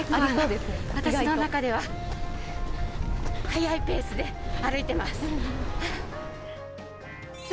私の中では速いペースで歩いてます。